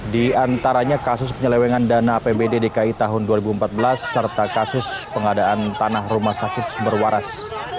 di antaranya kasus penyelewengan dana apbd dki tahun dua ribu empat belas serta kasus pengadaan tanah rumah sakit sumber waras